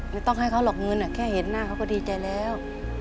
ไม่ต้องให้เขาหรอกเงินแค่เห็นหน้าเขาก็ดีใจแล้ว